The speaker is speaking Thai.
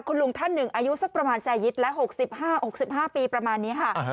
คุณลุงท่านหนึ่งอายุสักประมาณแสงยิตและหกสิบห้าหกสิบห้าปีประมาณนี้ค่ะ